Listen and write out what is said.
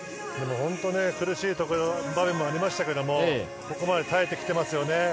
苦しい場面もありましたけどここまで耐えてきていますよね。